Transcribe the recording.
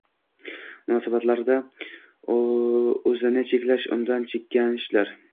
muosabatlarda uzini cheklash, undan cheklanishlar